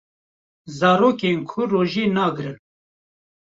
Zarokên ku rojiyê nagrin